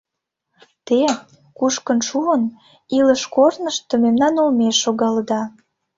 Те, кушкын шуын, илыш-корнышто мемнан олмеш шогалыда.